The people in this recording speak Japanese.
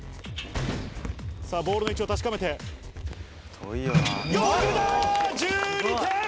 さあ、ボールの位置を確かめて、決めた、１２点。